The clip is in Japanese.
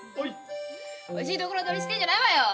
おいしいところ取りしてんじゃないわよ！